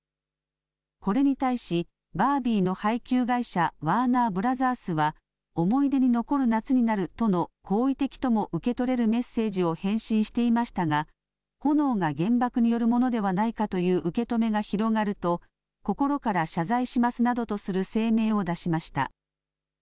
これに対し、バービーの配給会社、ワーナー・ブラザースは思い出に残る夏になるとの好意的とも受け取れるメッセージを返信していましたが、炎が原爆によるものではないかという受け止めが広がると、心から謝罪しますなどとする声明